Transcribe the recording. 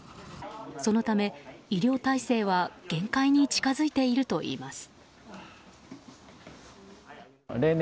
そのため医療体制は限界に近付いているといいます。